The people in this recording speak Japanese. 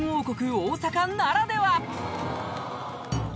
大阪ならでは！